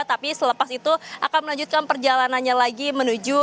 tapi selepas itu akan melanjutkan perjalanannya lagi menuju